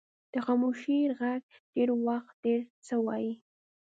د خاموشۍ ږغ ډېر وخت ډیر څه وایي.